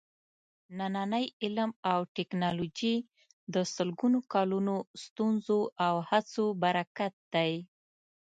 نننی علم او ټېکنالوجي د سلګونو کالونو ستونزو او هڅو برکت دی.